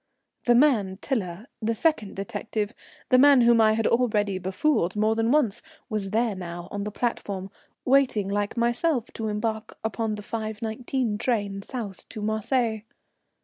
The man Tiler, the second detective, the man whom I had already befooled more than once, was there now on the platform, waiting like myself to embark upon the 5.19 train south to Marseilles.